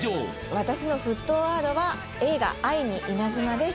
私の沸騰ワードは、映画、愛にイナズマです。